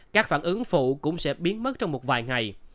các phản ứng phụ cũng sẽ biến mất trong một vài ngày